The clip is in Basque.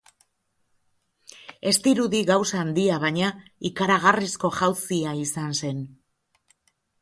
Ez dirudi gauza handia, baina ikaragarrizko jauzia izan zen.